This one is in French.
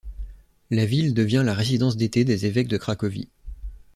La ville devient la résidence d’été des évêques de Cracovie.